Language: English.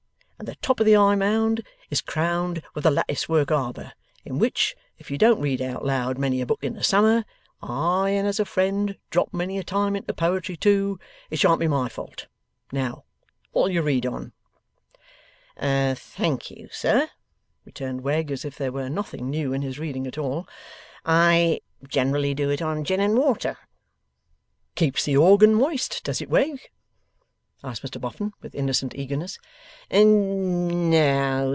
And the top of the High Mound is crowned with a lattice work Arbour, in which, if you don't read out loud many a book in the summer, ay, and as a friend, drop many a time into poetry too, it shan't be my fault. Now, what'll you read on?' 'Thank you, sir,' returned Wegg, as if there were nothing new in his reading at all. 'I generally do it on gin and water.' 'Keeps the organ moist, does it, Wegg?' asked Mr Boffin, with innocent eagerness.